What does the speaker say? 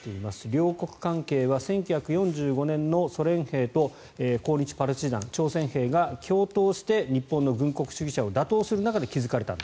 両国関係は１９４５年のソ連兵と抗日パルチザン、朝鮮兵が共闘して日本の軍国主義者を打倒する中で築かれた。